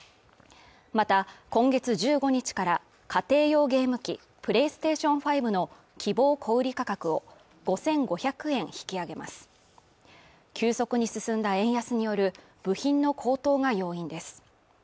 また今月１５日から家庭用ゲーム機プレイステーション５の希望小売価格を５５００円引き上げます急速に進んだ円安による部品の高騰が要因です